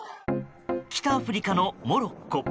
北アフリカのモロッコ。